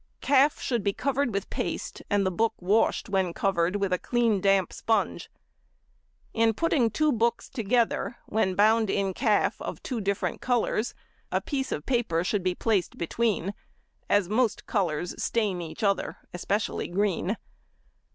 Calf should be covered with paste and the book washed when covered with a clean damp sponge. In putting two books together, when bound in calf of two different colours, a piece of paper should be placed between, as most colours stain each other, especially green.